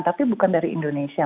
tapi bukan dari indonesia